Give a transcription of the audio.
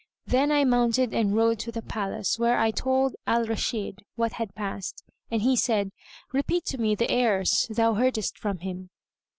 Then I mounted and rode to the palace, where I told Al Rashid what had passed, and he said, "Repeat to me the airs thou heardest from him."